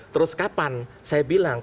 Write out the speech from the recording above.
terus kapan saya bilang